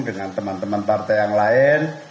dengan teman teman partai yang lain